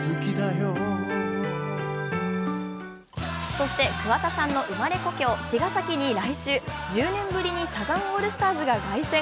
そして桑田さんの生まれ故郷・茅ヶ崎に来週、１０年ぶりにサザンオールスターズが凱旋。